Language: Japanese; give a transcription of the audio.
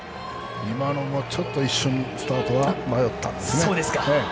今のも一瞬スタートは迷ったんですね。